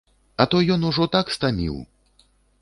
А то ён ужо так стаміў!